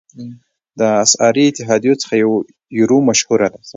د اسعاري اتحادیو څخه یورو مشهوره ده.